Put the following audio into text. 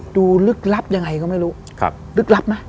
ลึกลับยังไงก็ไม่รู้ลึกลับไหม